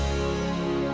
nih aku mau tidur